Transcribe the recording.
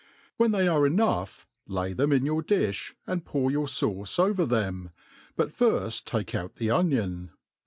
When th^ are .enough, lay them in your difli^ and pour your fauce over then>, but firft take out the onion.